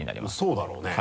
そうだろうね。